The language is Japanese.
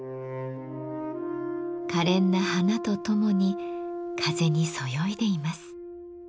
かれんな花とともに風にそよいでいます。